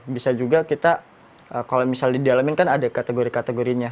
bisa juga kita kalau misalnya didalamin kan ada kategori kategorinya